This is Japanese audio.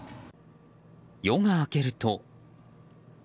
夜が明けると。